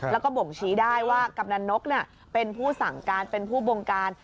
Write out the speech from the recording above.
แล้วก็บ่งชี้ได้ว่ากำนันนกเป็นผู้สั่งการเป็นผู้บงการ